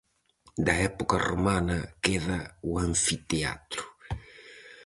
Da época romana queda o anfiteatro.